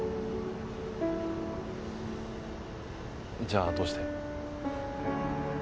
じゃあどうして？